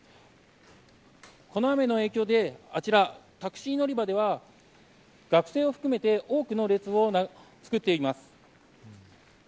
この雨の影響で、あちらタクシー乗り場では学生を含めて多くの列を作っています。